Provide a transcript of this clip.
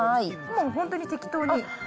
もう本当に適当に。